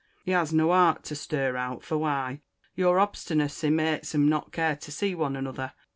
He has no harte to stur out. For why? Your obstinacy makes um not care to see one another.